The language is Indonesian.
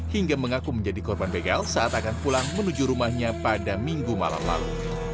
hingga mengaku menjadi korban begal saat akan pulang menuju rumahnya pada minggu malam lalu